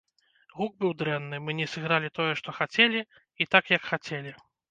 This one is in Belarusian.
Гук быў дрэнны, мы не сыгралі тое, што хацелі, і так, як хацелі.